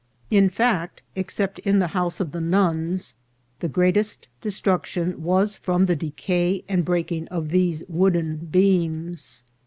In fact, except in the house of the nuns the greatest destruction was from the decay and breaking of these wooden beams.